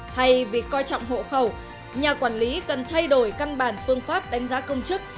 thay vì coi trọng hộ khẩu nhà quản lý cần thay đổi căn bản phương pháp đánh giá công chức